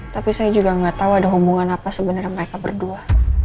tapi saya juga nggak tahu ada hubungan apa sebenarnya mereka berdua